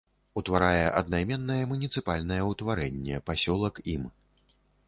Утварае аднайменнае муніцыпальнае ўтварэнне пасёлак ім.